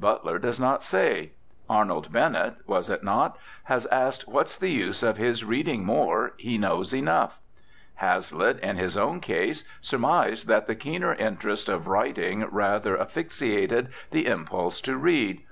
Butler does not say. Arnold Bennett (was it not?) has asked what's the use of his reading more, he knows enough. Hazlitt, in his own case, surmised that the keener interest of writing rather asphyxiated the impulse to read.